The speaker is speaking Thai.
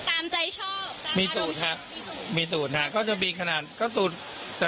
ตามใจชอบมีสูตรครับมีสูตรมีสูตรครับก็จะมีขนาดก็สูตรจะ